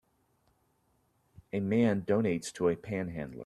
a man donates to a panhandler.